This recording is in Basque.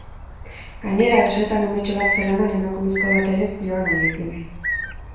Gainera, besoetan umetxo bat zeraman emakumezko bat ere zihoan haiekin.